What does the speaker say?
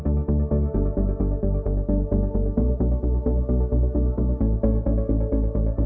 terima kasih pak rujito